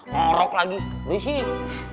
norok lagi berisik